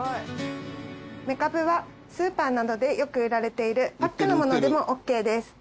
メカブはスーパーなどでよく売られているパックのものでもＯＫです。